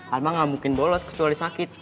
alma nggak mungkin bolos kecuali sakit